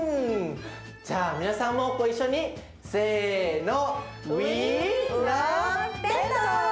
じゃあ皆さんもご一緒にせの。